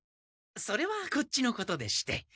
それはこっちのことでして。